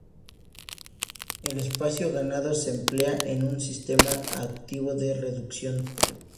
El espacio ganado se emplea en un sistema activo de reducción de ruido.